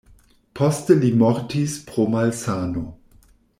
Poste li mortis pro malsano.